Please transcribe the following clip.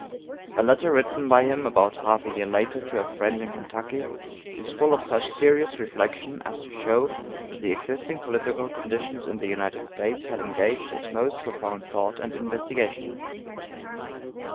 A letter written by him about half a year later to a friend in Kentucky, is full of such serious reflection as to show that the existing political conditions in the United States had engaged his most profound thought and investigation.